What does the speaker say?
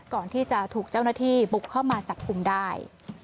ก่อนที่จะถูกเจ้าหน้าที่บุกเข้ามาจับกลุ่มได้